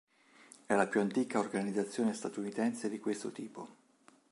È la più antica organizzazione statunitense di questo tipo.